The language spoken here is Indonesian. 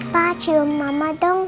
pak cium mama dong